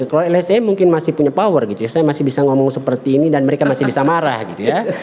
kalau lsm mungkin masih punya power gitu ya saya masih bisa ngomong seperti ini dan mereka masih bisa marah gitu ya